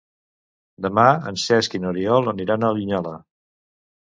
Demà en Cesc i n'Oriol aniran a Linyola.